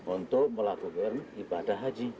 untuk melakukan ibadah haji